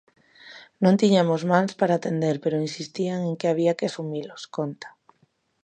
"Non tiñamos mans para atender pero insistían en que había que asumilos", conta.